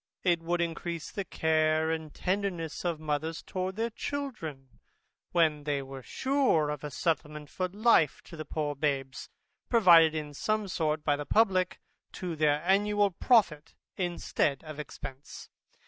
It would encrease the care and tenderness of mothers towards their children, when they were sure of a settlement for life to the poor babes, provided in some sort by the publick, to their annual profit instead of expence.